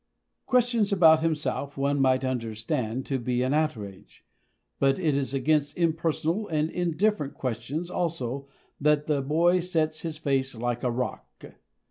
Questions about himself one might understand to be an outrage. But it is against impersonal and indifferent questions also that the boy sets his face like a rock.